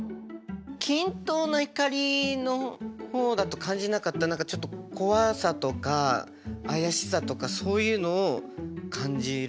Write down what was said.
均等な光の方だと感じなかった何かちょっと怖さとかあやしさとかそういうのを感じる。